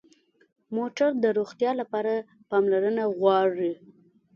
موټر د روغتیا لپاره پاملرنه غواړي.